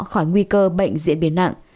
khỏi nguy cơ bệnh diễn biến nặng